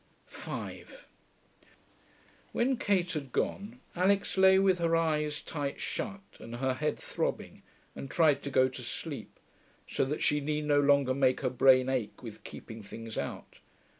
5 When Kate had gone, Alix lay with her eyes tight shut and her head throbbing, and tried to go to sleep, so that she need no longer make her brain ache with keeping things out.